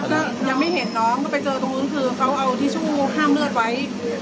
ก็ยังไม่เห็นน้องก็ไปเจอตรงนู้นคือเขาเอาทิชชู่ห้ามเลือดไว้